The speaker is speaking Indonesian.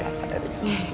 ada di sini